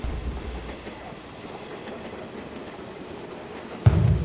In the course of time this was increased to seven.